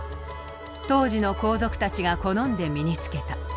当時の皇族たちが好んで身につけた。